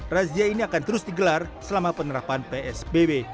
razia ini akan terus digelar selama penerapan psbb